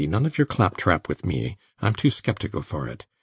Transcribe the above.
none of your claptrap with me: I'm too sceptical for it.